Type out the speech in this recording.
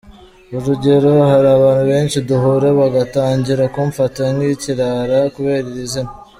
urugero hari abantu benshi duhura bagatangira kumfata nk’ikirara kubera iri zina.